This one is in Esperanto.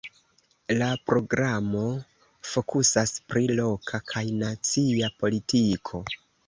La programo fokusas pri loka kaj nacia politiko.